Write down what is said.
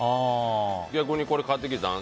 逆に、これ買ってきたん？